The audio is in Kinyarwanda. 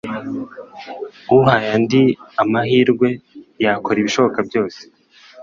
Uhaye andi mahirwe yakora ibishoboka byose